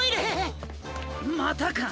またか。